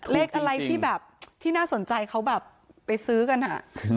เลขอะไรที่แบบที่น่าสนใจเขาแบบไปซื้อกันอ่ะ